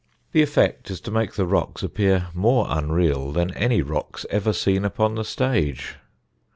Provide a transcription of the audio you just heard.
The effect is to make the rocks appear more unreal than any rocks ever seen upon the stage.